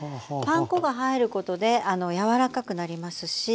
パン粉が入ることで柔らかくなりますし。